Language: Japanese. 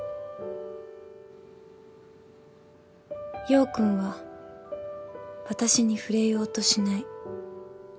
陽君は私に触れようとしない。